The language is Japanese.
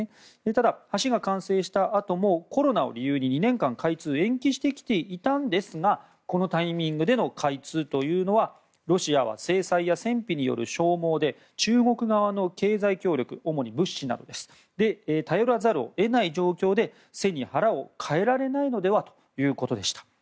ただ橋が完成したあともコロナを理由に２年間、開通を延期してきたんですがこのタイミングでの開通というのはロシアは制裁や戦費による消耗で中国側の経済協力主に物資など頼らざるを得ない状況で背に腹を代えられないのではということでした。